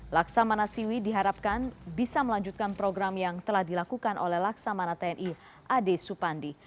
laksamana siwi diharapkan bisa melanjutkan program yang telah dilakukan oleh laksamana tni ade supandi